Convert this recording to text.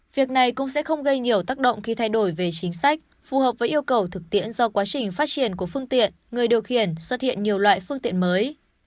việc này cũng sẽ không gây nhiều tác động khi thay đổi về chính sách phù hợp với yêu cầu thực tiễn do quá trình phát triển của phương tiện người điều khiển xuất hiện nhiều loại phương tiện mới